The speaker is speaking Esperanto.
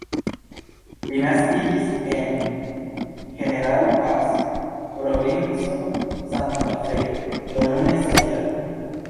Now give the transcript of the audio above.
Li naskiĝis en "General Paz", provinco Santa Fe, do nun estas -jara.